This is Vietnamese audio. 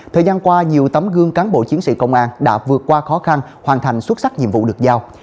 thời gian qua nhiều tấm gương cán bộ chiến sĩ công an đã vượt qua khó khăn hoàn thành xuất sắc nhiệm vụ được giao